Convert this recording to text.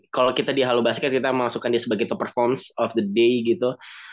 kalau kita di halo basket kita memasukkan dia sebagai toperform of the day gitu